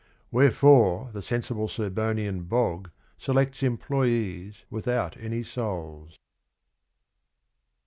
Wherefore the sensible Sir Bonian Bogg Selects employees without any souls.